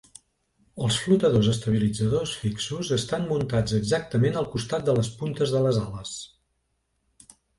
Els flotadors estabilitzadors fixos estan muntats exactament al costat de les puntes de les ales.